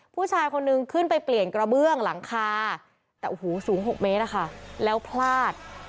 ผู้ชายคนนึงขึ้นไปเปลี่ยนกระเบื้องหลังคาแต่โอ้โหสูง๖เมตรอะค่ะแล้วพลาด